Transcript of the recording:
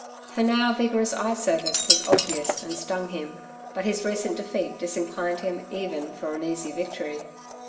Her now vigorous eye service was obvious and stung him, but his recent defeat disinclined him even for an easy victory.